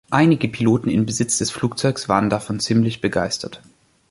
Einige Piloten in Besitz des Flugzeugs waren davon ziemlich begeistert.